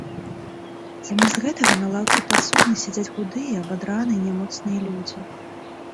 Замест гэтага на лаўцы падсудных сядзяць худыя, абадраныя, нямоцныя людзі.